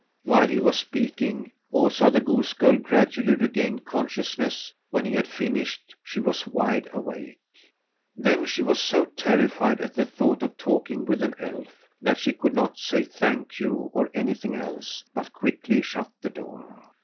While he was speaking, Osa, the goose girl, gradually regained consciousness; when he had finished she was wide awake. Then she was so terrified at the thought of talking with an elf that she could not say thank you or anything else, but quickly shut the door.